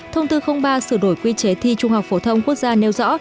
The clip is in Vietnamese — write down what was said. thông tư ba sửa đổi quy chế thi trung học phổ thông quốc gia nêu rõ